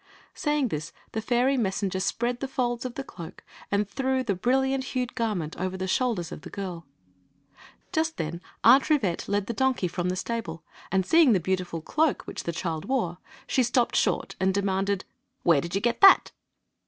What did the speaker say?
Saying this the fairy messenger spread the folds of the cloak and threw the brilliant hued garment over the shoulders of the girl. Just then Aunt Rivette led the donkey from the The Story of the Magic Cloak 39 stable, aiMl seeing the beautiful cloak which the child wore, she stopped short and demanded :" Where did you get that